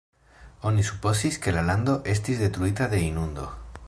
Oni supozis ke la lando estis detruita de inundo.